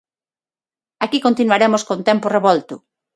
Aquí continuaremos con tempo revolto.